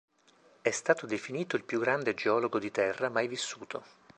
È stato definito "il più grande geologo di terra mai vissuto".